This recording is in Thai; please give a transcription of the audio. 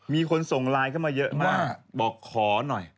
มีคนส่งไลน์เข้ามาเยอะมากบอกขอหน่อย